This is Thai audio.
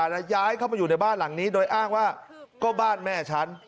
และย้ายเข้ามาอยู่ในบ้านหลังนี้โดยอ้างว่าก็บ้านแม่ฉัน